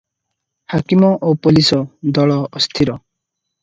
ହାକିମ ଓ ପୋଲିସ ଦଳ ଅସ୍ଥିର ।